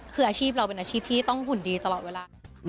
คืออาชีพเราเป็นอาชีพที่ต้องหุ่นดีตลอดเวลา